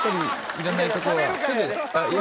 いらないところが。